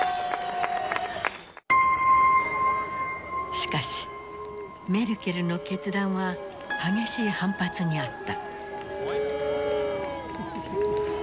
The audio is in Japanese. しかしメルケルの決断は激しい反発にあった。